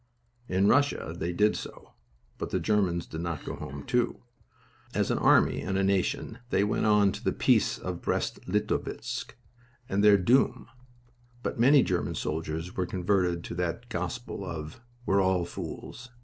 In Russia they did so, but the Germans did not go home, too. As an army and a nation they went on to the Peace of Brest Litovsk and their doom. But many German soldiers were converted to that gospel of "We're all fools!"